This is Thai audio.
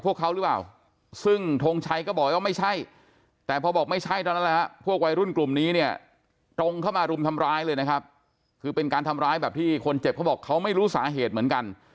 เขาบอกเขาไม่รู้สาเหตุเหมือนกัน